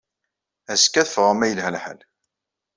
Azekka ad ffɣeɣ ma yelha lḥal.